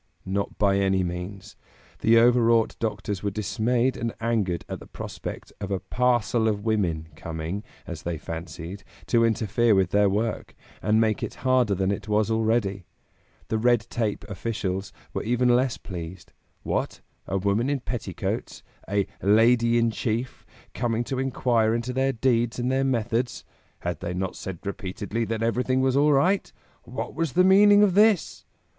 Not by any means! The overwrought doctors were dismayed and angered at the prospect of a "parcel of women" coming as they fancied to interfere with their work, and make it harder than it was already. The red tape officials were even less pleased. What? A woman in petticoats, a "Lady in Chief," coming to inquire into their deeds and their methods? Had they not said repeatedly that everything was all right? What was the meaning of this?